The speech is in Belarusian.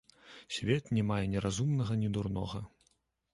Свет не мае ні разумнага, ні дурнога.